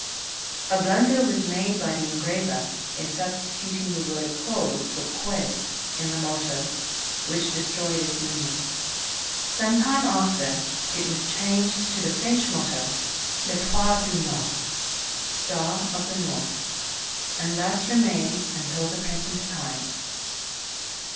A blunder was made by the engraver, in substituting the word "Quo" for "Quae," in the motto, which destroyed its meaning. Some time after, it was changed to the French motto, "L'Etoile du Nord" ("Star of the North"), and thus remains until the present time.